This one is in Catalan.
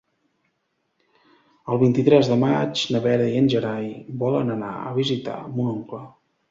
El vint-i-tres de maig na Vera i en Gerai volen anar a visitar mon oncle.